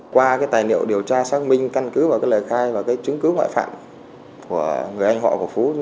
qua cái tài liệu điều tra xác minh căn cứ vào cái lời khai và cái chứng cứ ngoại phạm của người anh họ của phú